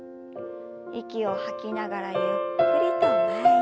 息を吐きながらゆっくりと前に。